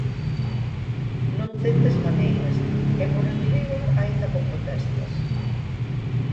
Non tendes maneiras e por enriba aínda con protestas.